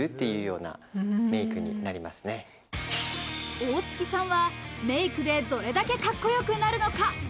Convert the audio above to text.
大槻さんはメイクでどれだけかっこよくなるのか。